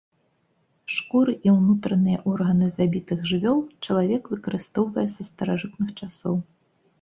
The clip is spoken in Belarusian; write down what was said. Шкуры і ўнутраныя органы забітых жывёл чалавек выкарыстоўвае з старажытных часоў.